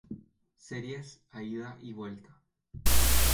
Series a ida y vuelta.